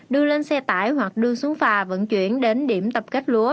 đưa lên xe tải hoặc đưa xuống phà vận chuyển đến điểm tập kết lúa